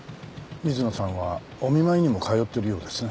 水野さんはお見舞いにも通ってるようですね？